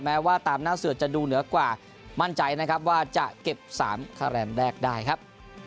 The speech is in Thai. แม้ว่าตามหน้าเสือจะดูเหนือกว่ามั่นใจนะครับว่าจะเก็บ๓คะแนนแรกได้ครับ